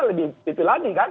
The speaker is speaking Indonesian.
lebih tipi lagi kan